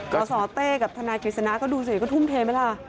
ก็สอเต้กับธนาคิดธนาก็ดูสิก็ทุ่มเทไหมล่ะ